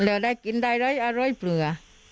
แล้วได้กินได้เลยอร่อยเผื่อ